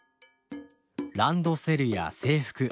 ランドセルや制服